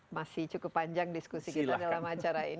masih cukup panjang diskusi kita dalam acara ini